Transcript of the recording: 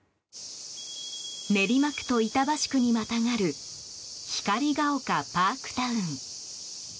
練馬区と板橋区にまたがる光が丘パークタウン。